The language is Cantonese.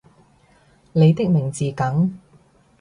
你的名字梗